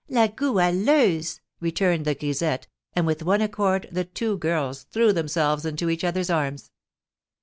"La Goualeuse!" returned the grisette, and with one accord the two girls threw themselves into each other's arms.